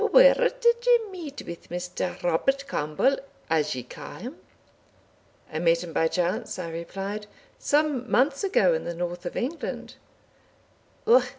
Where did ye meet with Mr. Robert Campbell, as ye ca' him?" "I met him by chance," I replied, "some months ago in the north of England."